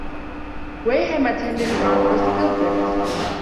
Graham attended Mount Roskill Grammar School.